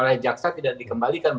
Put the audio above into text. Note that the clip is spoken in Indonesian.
tapi jika tidak diserahkan